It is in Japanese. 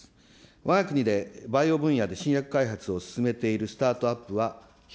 わが国でバイオ分野で新薬開発を進めているスタートアップは１０